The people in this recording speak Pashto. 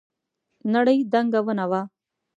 نرۍ دنګه ونه وه.